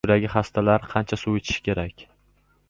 Buyragi xastalar qancha suv ichishi kerak?